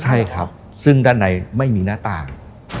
ใช่ครับซึ่งด้านในไม่มีหน้าต่าง